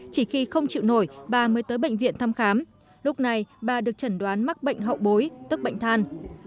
chỉ khi không chịu nổi bà mới tới bệnh viện thăm khám lúc này bà được chẩn đoán mắc bệnh hậu bối tức bệnh than